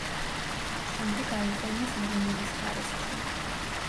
შემდეგ აიყვანეს იღუმენის ხარისხში.